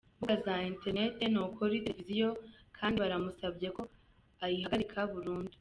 mbuga za interineti no kuri televiziyo kandi baramusabye ko ayihagarika burundu.